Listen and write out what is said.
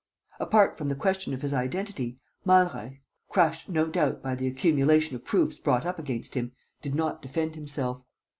Apart from the question of his identity, Malreich, crushed, no doubt, by the accumulation of proofs brought up against him, did not defend himself.